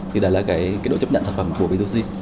thì đấy là độ chấp nhận sản phẩm của b hai c